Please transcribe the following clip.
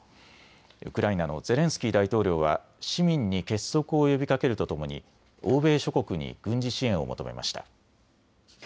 ウクライナのゼレンスキー大統領は市民に結束を呼びかけるとともに欧米諸国に軍事支援を求めました。